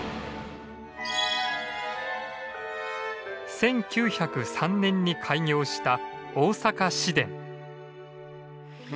１９０３年に開業した大阪市電。